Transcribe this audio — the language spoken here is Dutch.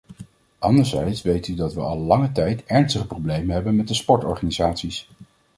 Anderzijds weet u dat we al lange tijd ernstige problemen hebben met de sportorganisaties.